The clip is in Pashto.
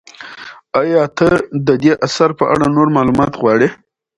ایا ته د دې اثر په اړه نور معلومات غواړې؟